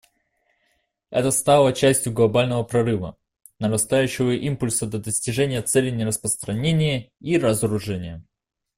Это стало частью глобального прорыва: нарастающего импульса для достижения целей нераспространения и разоружения.